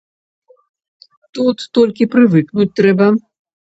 Тут толькі прывыкнуць трэба.